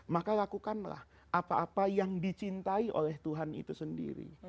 maka lakukanlah apa apa yang dicintai oleh tuhan itu sendiri